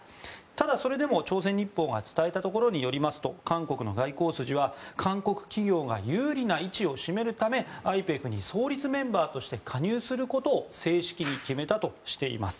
ただ、それでも朝鮮日報が伝えたところによりますと韓国の外交筋は韓国企業が有利な位置を占めるためＩＰＥＦに創立メンバーとして加入することを正式に決めたとしています。